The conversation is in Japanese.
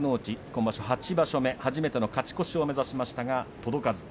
今場所８場所目初めての勝ち越しを目指しましたが届かず。